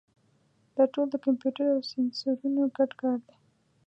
دا ټول د کمپیوټر او سینسرونو ګډ کار دی.